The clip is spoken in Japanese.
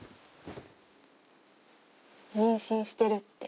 妊娠してるって。